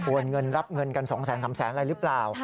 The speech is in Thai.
เงินรับเงินกัน๒๓แสนอะไรหรือเปล่า